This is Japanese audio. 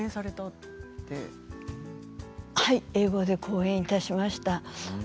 はい、英語で講演いたしました。